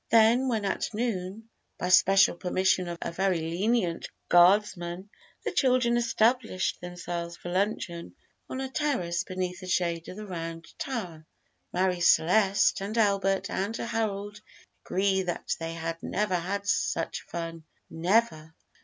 Then when at noon, by special permission of a very lenient guardsman, the children establish themselves for luncheon on a terrace beneath the shade of the Round Tower, Marie Celeste and Albert and Harold agree that they had never had such fun never!